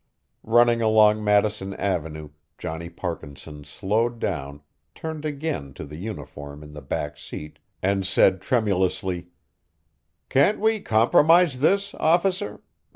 Running along Madison avenue, Johnny Parkinson slowed down, turned again to the uniform in the back seat and said tremulously: "Can't we compromise this, Officer?